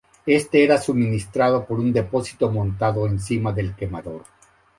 Este era suministrado por un depósito montado encima del quemador.